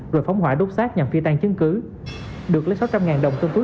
rồi phóng hỏa đốt xác nhằm phi tan chứng cứ